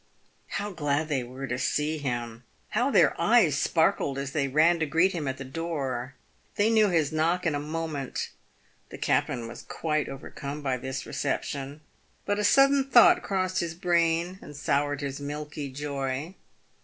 How glad they were to see him ! How their eyes sparkled as they ran to greet him at the door ! They knew his knock in a moment. The captain was quite overcome by his reception. But a sudden thought crossed his brain, and soured his milky "joy.